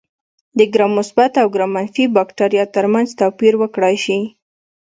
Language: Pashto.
د ګرام مثبت او ګرام منفي بکټریا ترمنځ توپیر وکړای شي.